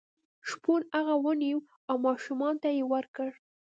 شپون هغه ونیو او ماشومانو ته یې ورکړ.